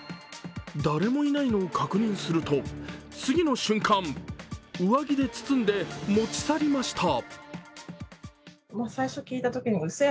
誰もいないのを確認すると、次の瞬間、上着で包んで持ち去りました。